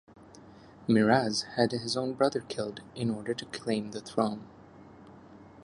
Miraz had his own brother killed in order to claim the throne.